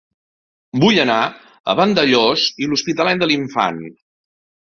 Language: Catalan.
Vull anar a Vandellòs i l'Hospitalet de l'Infant